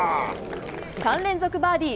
３連続バーディー。